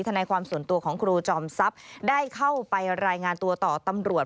นายความส่วนตัวของครูจอมทรัพย์ได้เข้าไปรายงานตัวต่อตำรวจ